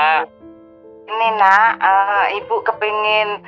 ini nak ibu kepingin